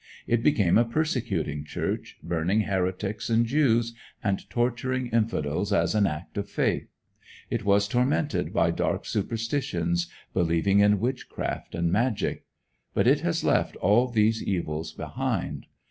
It became a persecuting church, burning heretics and Jews, and torturing infidels as an act of faith. It was tormented by dark superstitions, believing in witchcraft and magic. But it has left all these evils behind.